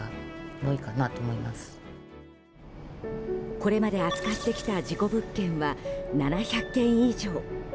これまで扱ってきた事故物件は７０００軒以上。